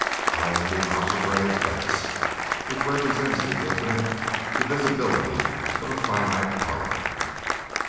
I am the algebraic x which represents the infinite divisibility of a finite particle.